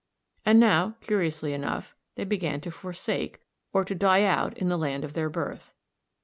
And now, curiously enough, they began to forsake, or to die out in, the land of their birth.